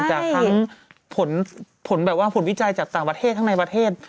จากทั้งผลวิจัยจากต่างประเทศทั้งในประเทศ